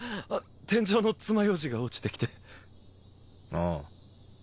天井のつまようじが落ちてきてああ